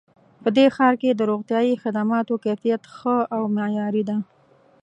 په دې ښار کې د روغتیایي خدماتو کیفیت ښه او معیاري ده